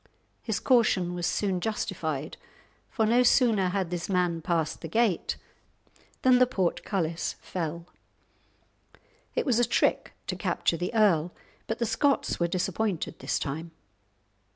His caution was soon justified, for no sooner had this man passed the gate than the portcullis fell. It was a trick to capture the earl, but the Scots were disappointed this time.